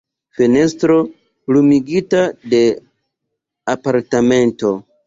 Fenestro lumigita de apartamento.